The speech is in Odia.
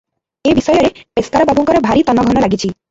ଏ ବିଷୟରେ ପେସ୍କାର ବାବୁଙ୍କର ଭାରି ତନଘନ ଲାଗିଛି ।